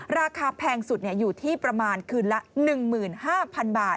ราคาแพงสุดอยู่ที่ประมาณคืนละ๑๕๐๐๐บาท